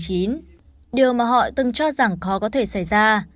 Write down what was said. điều mà họ từng cho rằng khó có thể xảy ra